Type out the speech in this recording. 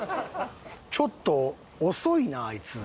ちょっと遅いなあいつ。